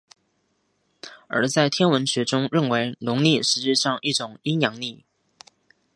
而在天文学中认为农历实际上是一种阴阳历。